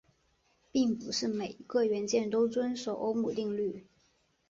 并不是每一种元件都遵守欧姆定律。